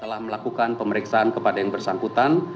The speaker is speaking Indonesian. telah melakukan pemeriksaan kepada yang bersangkutan